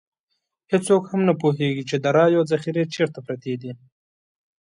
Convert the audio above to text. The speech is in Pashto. هېڅوک هم نه پوهېږي چې د رایو ذخیرې چېرته پرتې دي.